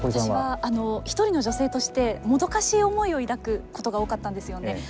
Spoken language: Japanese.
私は、ひとりの女性としてもどかしい思いを抱くことが多かったんですよね。